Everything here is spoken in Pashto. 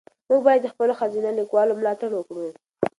موږ باید د خپلو ښځینه لیکوالو ملاتړ وکړو.